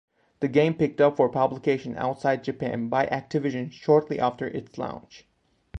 The game picked up for publication outside Japan by Activision shortly after its launch.